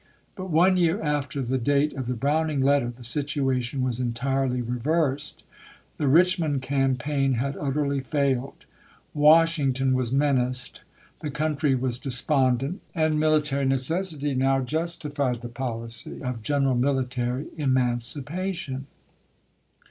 But one year after the date of the Browning letter, the situation was entirely reversed. The Richmond campaign had utterly failed ; Washington was menaced ; the coun try was despondent; and military necessity now justified the policy of general military emancipation.